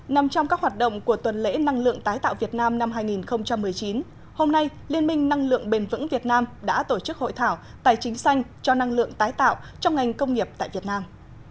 nằm trong các hoạt động của tuần lễ năng lượng tái tạo việt nam năm hai nghìn một mươi chín hôm nay liên minh năng lượng bền vững việt nam đã tổ chức hội thảo tài chính xanh cho năng lượng tái tạo trong ngành công nghiệp tại việt nam